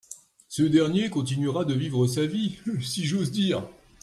Ce dernier continuera de vivre sa vie, si j’ose dire.